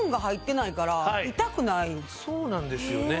そうなんですよね。